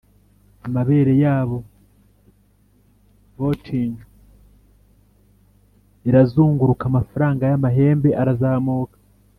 amabere yabo, vaulting irazunguruka, amafaranga yamahembe arazamuka